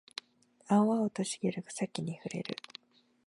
青々と茂る草木に触れる